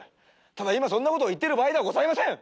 ただ今そんなことを言ってる場合ではございません。